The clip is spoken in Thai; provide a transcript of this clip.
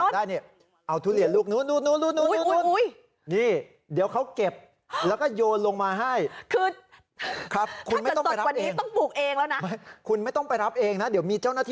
ถ้าเกิดเราอยากได้เนี่ย